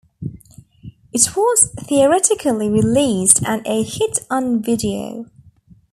It was theatrically released and a hit on video.